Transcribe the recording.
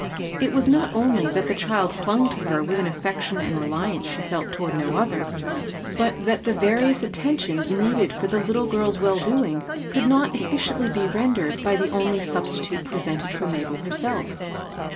It was not only that the child clung to her with an affection and reliance she felt toward no other, but that the various attentions needed for the little girPs well doing could not efficiently be rendered by the only substitute presented for Mabel herself.